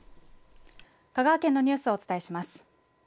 香川県のニュースをお伝えします。